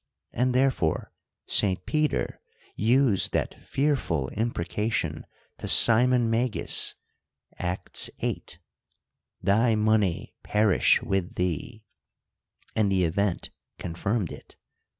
And therefore St. Peter used that fearful imprecation to Simon Magus (Acts viii.), — Thy money perish with thee: and the event confirmed it.